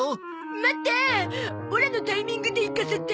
待ってオラのタイミングでいかせて。